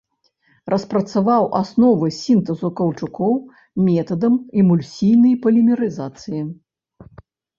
Распрацаваў асновы сінтэзу каўчукоў метадам эмульсійнай полімерызацыі.